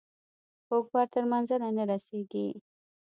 کوږ بار تر منزله نه رسیږي.